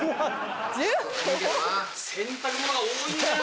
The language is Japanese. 洗濯物が多いんだよ。